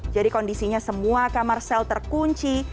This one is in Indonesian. jadi kondisinya semua kamar sel terkunci